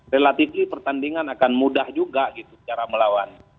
relatifly pertandingan akan mudah juga gitu cara melawan